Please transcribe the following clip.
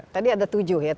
tadi ada tujuh ya